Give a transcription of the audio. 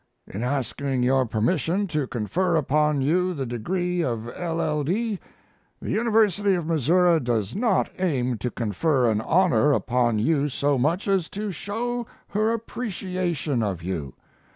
In asking your permission to confer upon you the degree of LL.D. the University of Missouri does not aim to confer an honor upon you so much as to show her appreciation of you.